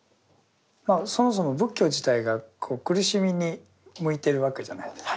そもそも仏教自体が苦しみに向いてるわけじゃないですか。